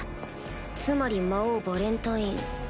つまり魔王ヴァレンタイン